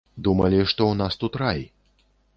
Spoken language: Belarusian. Думалі, што ў нас тут рай.